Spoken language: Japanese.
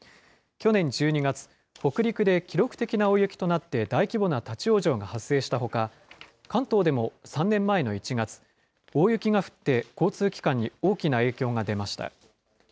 去年１２月、北陸で記録的な大雪となって、大規模な立往生が発生したほか、関東でも３年前の１月、大雪が降って、交通機関に大きな影響が出ました。